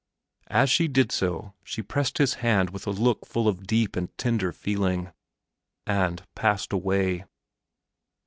As she did so she pressed his hand with a look full of deep and tender feeling, and passed away.